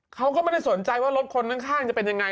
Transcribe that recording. เขาก็ไม่ได้สนใจว่ารถคนข้างจะเป็นยังไง